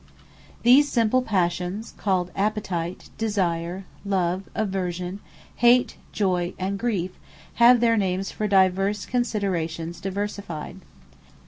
These simple Passions called Appetite, Desire, Love, Aversion, Hate, Joy, and griefe, have their names for divers considerations diversified.